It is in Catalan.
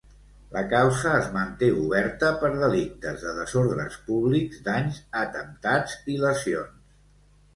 La causa es manté oberta per delictes de desordres públics, danys, atemptats i lesions.